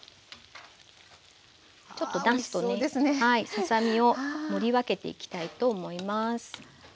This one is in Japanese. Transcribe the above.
ささ身を盛り分けていきたいと思います。